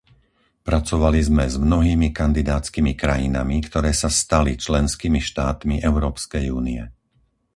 Pracovali sme s mnohými kandidátskymi krajinami, ktoré sa stali členskými štátmi Európskej únie.